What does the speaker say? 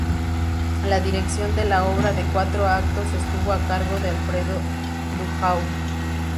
La dirección de la obra de cuatro actos estuvo a cargo de Alfredo Duhau.